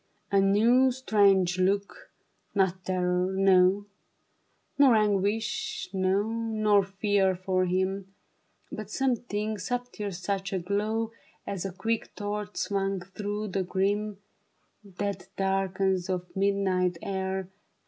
A new, strange look, not terror, no, Nor anguish, no, nor fear for him ; But something subtiler, such a glow As a quick torch swung through the grim, Dead darkness of the midnight air.